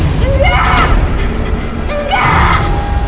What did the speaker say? nggak nggak nggak nggak